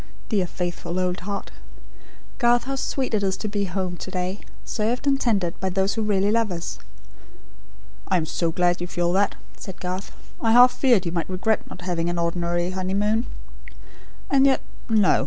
Dear faithful old heart! Garth, how sweet it is to be at home to day; served and tended by those who really love us." "I am so glad you feel that," said Garth. "I half feared you might regret not having an ordinary honeymoon And yet, no!